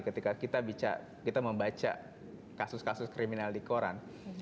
ketika kita membaca kasus kasus kriminal di koran